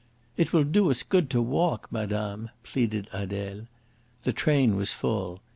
"It will do us good to walk, madame," pleaded Adele. The train was full.